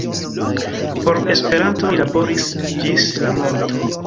Por Esperanto li laboris ĝis la morto.